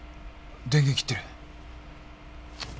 電源切ってる。